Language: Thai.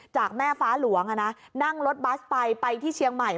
จากแม่ฟ้าหลวงนั่งรถบัสไปไปที่เชียงใหม่